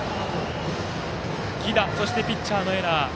犠打、そしてピッチャーのエラー。